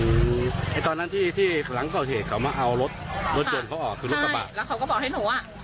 ไอ้ตอนนั้นที่ที่หลังก่อเหตุเขามาเอารถรถยนต์เขาออกคือรถกระบะแล้วเขาก็บอกให้หนูอ่ะ